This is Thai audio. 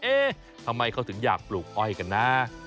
เอ๊ะทำไมเขาถึงอยากปลูกอ้อยกันนะ